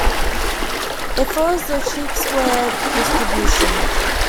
It follows the chi-squared distribution.